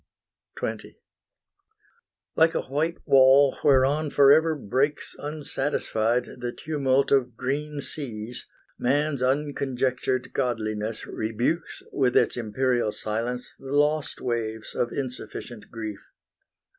XX Like a white wall whereon forever breaks Unsatisfied the tumult of green seas, Man's unconjectured godliness rebukes With its imperial silence the lost waves Of insufficient grief.